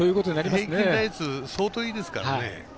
平均打率、相当いいですからね。